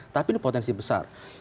tapi ini potensi besar